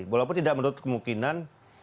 walaupun tidak menurut kemungkinan